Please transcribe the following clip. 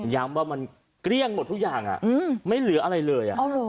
ว่ามันเกลี้ยงหมดทุกอย่างไม่เหลืออะไรเลย